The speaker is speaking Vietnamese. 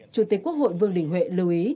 chủ tịch quốc hội vương đình huệ lưu ý